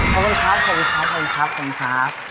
ขอบคุณครับขอบคุณครับขอบคุณครับ